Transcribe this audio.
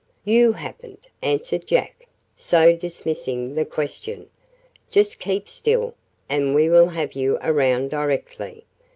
"You happened," answered Jack, so dismissing the question. "Just keep still, and we will have you around directly.